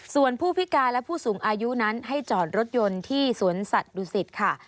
ส่วนผู้พิการและผู้สูงอายุนั้นให้จอดรถยนต์ที่สวนสัตว์ดุสิตค่ะ